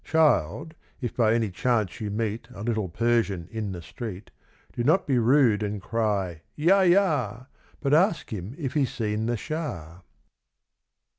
Child, if by any chance you meet A little Persian in the street, Do not be rude and cry "Yah yah!" But ask him if he's seen the Shah.